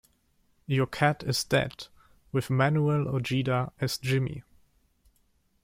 Your Cat Is Dead, with Manuel Ojeda as Jimmy.